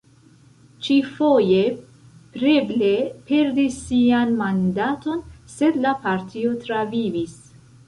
Ĉi-foje Preble perdis sian mandaton, sed la partio travivis.